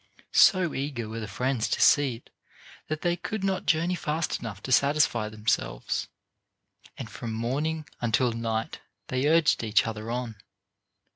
So eager were the friends to see it that they could not journey fast enough to satisfy themselves, and from morning until night they urged each other on.